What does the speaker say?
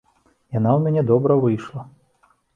Яна ў мяне добра выйшла.